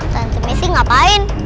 tante messi ngapain